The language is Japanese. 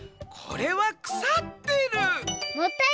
これはくさってる」。